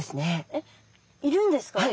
えっいるんですか？